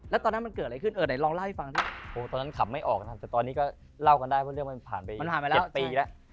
แต่ตอนนี้ก็เล่ากันได้เพราะเรื่องมันผ่านไป๗ปีอีกแล้ว